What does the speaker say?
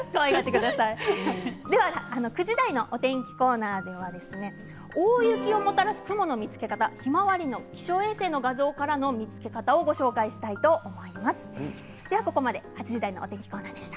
９時台のお天気コーナーでは大雪をもたらす雲の見つけ方ひまわり画像からの見つけ方をご紹介したいと思います。